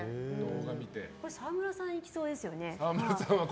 沢村さん行きそうですよね。